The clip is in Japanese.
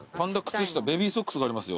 ベビーソックスがありますよ